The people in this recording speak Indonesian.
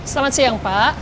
selamat siang pak